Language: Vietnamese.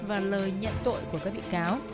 và lời nhận tội của các bị cáo